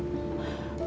nanti aku datang